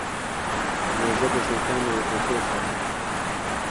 روژه د شیطان له وسوسو ساتي.